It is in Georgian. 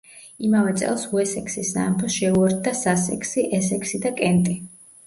იმავე წელს უესექსის სამეფოს შეუერთდა სასექსი, ესექსი და კენტი.